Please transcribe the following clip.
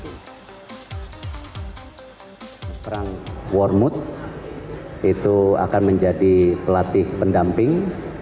frank juga akan menjadi pelatih pendamping